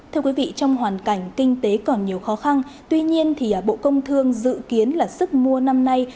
trong hoàn cảnh kinh tế còn nhiều khó khăn tuy nhiên bộ công thương dự kiến là sức mua năm nay